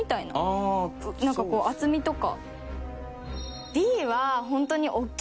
なんかこう厚みとか。